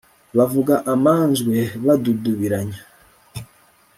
bavuga amanjwe badudubiranya